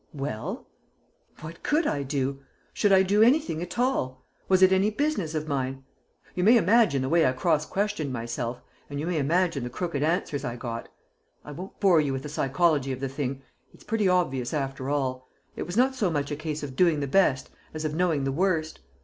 "Well?" "What could I do? Should I do anything at all? Was it any business of mine? You may imagine the way I cross questioned myself, and you may imagine the crooked answers I got! I won't bore you with the psychology of the thing; it's pretty obvious after all. It was not so much a case of doing the best as of knowing the worst.